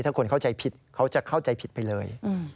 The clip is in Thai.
ถ้าคนเข้าใจผิดเขาจะเข้าใจผิดไปเลย